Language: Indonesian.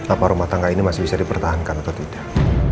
apa rumah tangga ini masih bisa dipertahankan atau tidak